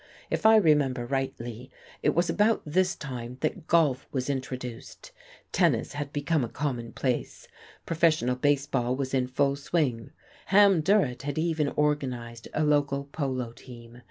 If I remember rightly, it was about this time that golf was introduced, tennis had become a commonplace, professional baseball was in full swing; Ham Durrett had even organized a local polo team....